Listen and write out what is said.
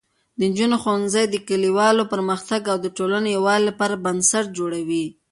د نجونو ښوونځی د کلیوالو پرمختګ او د ټولنې یووالي لپاره بنسټ جوړوي.